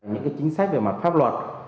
những chính sách về mặt pháp luật